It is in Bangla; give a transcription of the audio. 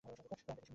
প্ল্যানটা কী শুনি?